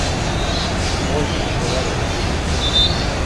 Mp̌oli hişo var ort̆u.